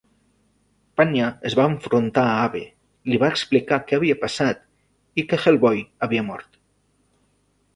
Panya es va enfrontar a Abe, li va explicar què havia passat i que Hellboy havia mort.